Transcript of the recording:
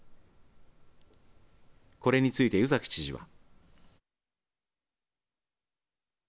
これについて湯崎知事は。